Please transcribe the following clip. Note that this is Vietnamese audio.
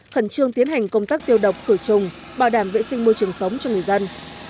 khẩn trương tiến hành công tác tiêu độc khử trùng bảo đảm vệ sinh môi trường sống cho người dân